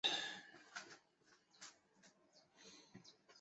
克雷特维尔。